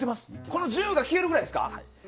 このジューが消えるぐらいですか？